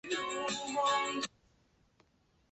县治所在地为阿伯塔巴德。